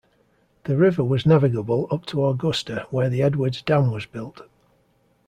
The river was navigable up to Augusta where the Edwards Dam was built.